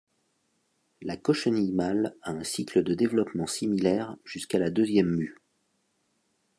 La cochenille mâle à un cycle de développement similaire jusqu'à la deuxième mue.